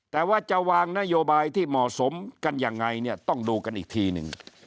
แต่ว่าจะวางนโยบายที่เหมาะสมกันยังไงเนี่ยต้องดูกันอีกทีหนึ่ง